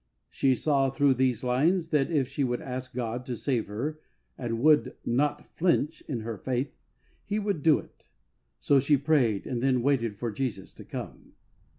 She saw through these lines that if she would ask God to save her and would "not flinch" in her faith, He would do it. So she prayed, and then waited for Jesus to come.